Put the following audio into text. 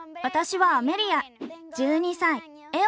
私はアメリア１２さい。